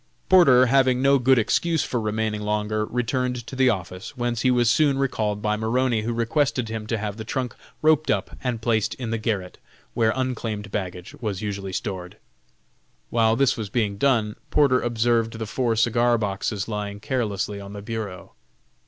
Porter having no good excuse for remaining longer, returned to the office, whence he was soon recalled by Maroney, who requested him to have the trunk roped up and placed in the garret, where unclaimed baggage was usually stored. While this was being done, Porter observed the four cigar boxes lying carelessly on the bureau.